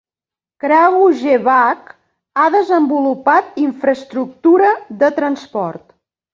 Kragujevac ha desenvolupat infraestructura de transport.